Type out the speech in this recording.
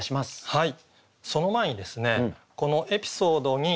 はい。